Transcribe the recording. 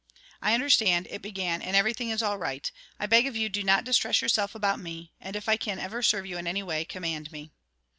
"I understand," it began, "and everything is all right. I beg of you, do not distress yourself about me, and, if I can ever serve you in any way, command me."